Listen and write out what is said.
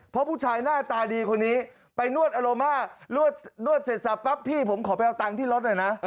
เพราะผู้ชายหน้าตาดีคนนี้ไปนวดอโลมานวดเสร็จสับปั๊บพี่ผมขอไปเอาตังค์ที่รถหน่อยนะ